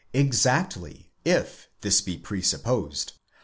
Exactly, if this be presupposed.